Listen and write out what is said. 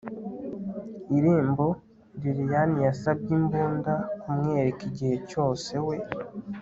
irembo. lilian yasabye imbunda kumwereka igihe cyose, we